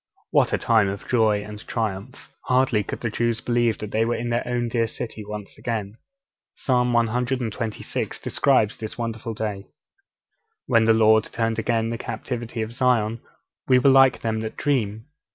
What a time of joy and triumph! Hardly could the Jews believe that they were in their own dear city once again. Psalm cxxvi. describes this wonderful day. '_When the Lord turned again the captivity of Zion, we were like them that dream.